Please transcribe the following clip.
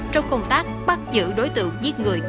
trong công tác bắt giữ đối tượng giết người